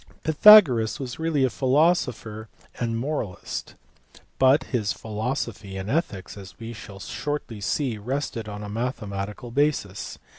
Pythagoras was really a philosopher and moralist, but his philosophy and ethics, as we shall shortly see, rested on a mathematical basis.